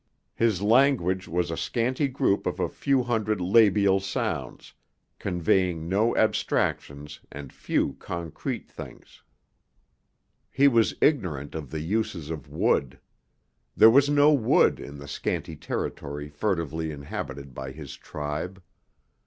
His language was a scanty group of a few hundred labial sounds, conveying no abstractions and few concrete things. He was ignorant of the uses of wood. There was no wood in the scanty territory furtively inhabited by his tribe.